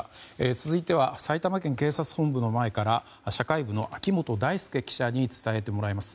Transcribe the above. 続いては埼玉県警察本部の前から社会部の秋本大輔記者に伝えてもらいます。